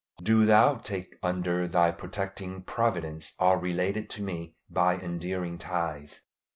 do Thou take under Thy protecting providence all related to me by endearing ties.